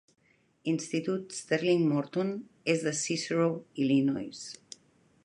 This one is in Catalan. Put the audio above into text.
Institut Sterling Morton est de Cicero, Illinois.